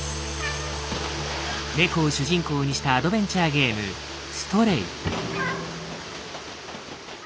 猫を主人公にしたアドベンチャーゲーム「Ｓｔｒａｙ」。